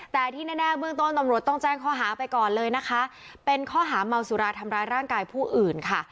แต่ที่แน่เบื้องต้นตำรวจต้องแจ้งข้อหาไปก่อนเลยนะคะเป็นข้อหาเมาสุราทำร้ายร่างกายผู้อื่นค่ะ